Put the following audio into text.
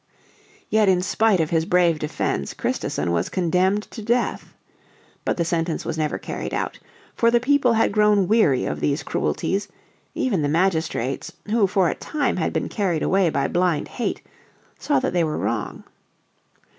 Yet in spite of his brave defence Christison was condemned to death. But the sentence was never carried out. For the people had grown weary of these cruelties; even the magistrates, who for a time had been carried away by blind hate, saw that they were wrong.